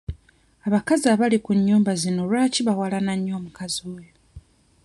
Abakazi abali ku nnyumba zino lwaki bawalana nnyo omukazi oyo?